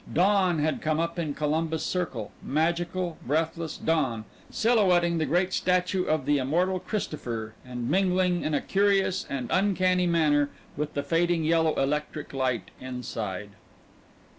Dawn had come up in Columbus Circle, magical, breathless dawn, silhouetting the great statue of the immortal Christopher, and mingling in a curious and uncanny manner with the fading yellow electric light inside.